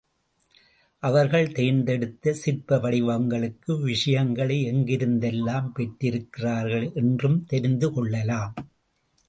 அவர்கள் தேர்ந்தெடுத்த சிற்ப வடிவங்களுக்கு விஷயங்களை எங்கிருந்தெல்லாம் பெற்றிருக்கிறார்கள் என்றும் தெரிந்துகொள்ளலாம்.